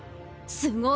すごい。